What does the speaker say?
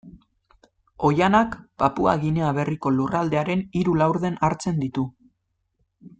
Oihanak Papua Ginea Berriko lurraldearen hiru laurden hartzen ditu.